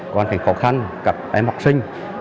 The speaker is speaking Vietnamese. có hoàn cảnh khó khăn các em học sinh